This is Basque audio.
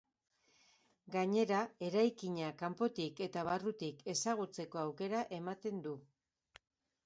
Gainera, eraikina kapotik eta barrutik ezagutzeko aukera ematen du.